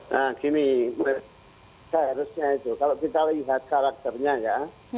nah gini kalau kita lihat karakternya ya